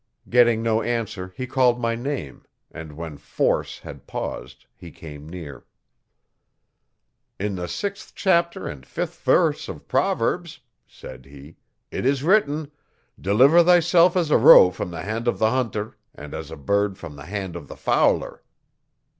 Getting no answer he called my name, and when Force had paused he came near. 'In the sixth chapter and fifth verse of Proverbs,' said he, 'it is written: "Deliver thyself as a roe from the hand of the hunter and as a bird from the hand of the fowler."